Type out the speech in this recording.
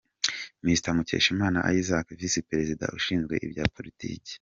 Mr. Mukeshimana Isaac, Visi-Perezida ushinzwe ibya Politiki;